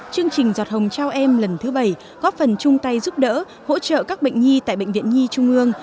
chương trình giọt hồng trao em lần thứ bảy góp phần chung tay giúp đỡ hỗ trợ các bệnh nhi tại bệnh viện nhi trung ương